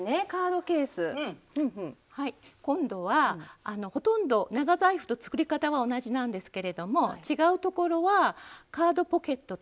今度はほとんど長財布と作り方は同じなんですけれども違うところはカードポケットとファスナーをつけないというところです。